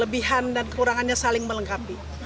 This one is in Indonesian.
dan bagaimana satu dengan yang lain saling melengkapi